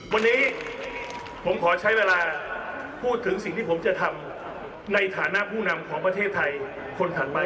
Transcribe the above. วันนี้ผมขอใช้เวลาพูดถึงสิ่งที่ผมจะทำในฐานะผู้นำของประเทศไทยคนถัดไป